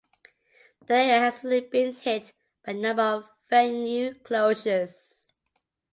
The area has recently been hit by a number of venue closures.